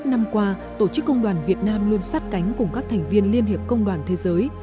bốn mươi năm năm qua tổ chức công đoàn việt nam luôn sát cánh cùng các thành viên liên hiệp công đoàn thế giới